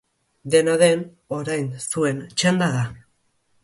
Dena den, orain zuen txanda da!